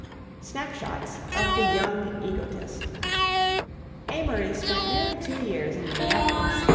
SNAPSHOTS OF THE YOUNG EGOTIST Amory spent nearly two years in Minneapolis.